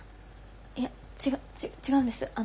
いやちが違うんです。